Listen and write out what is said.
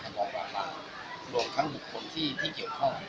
กว่าสามคนประกบกันมาลงทั้ง๖คนที่เกี่ยวข้อ